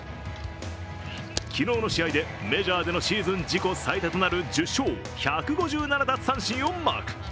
昨日の試合でメジャーでシーズン自己最多となる１０勝、１５７奪三振をマーク。